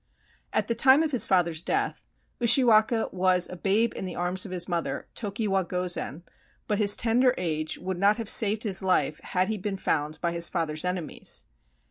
At the time of his father's death, Ushiwaka was a babe in the arms of his mother, Tokiwa Gozen, but his tender age would not have saved his life had he been found by his father's enemies.